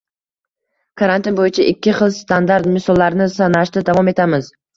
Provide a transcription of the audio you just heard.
Karantin bo‘yicha ikki xil standart. Misollarni sanashda davom etamiz